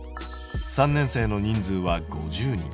３年生の人数は５０人。